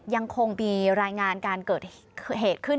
ยังคงมีรายงานการเกิดเหตุขึ้น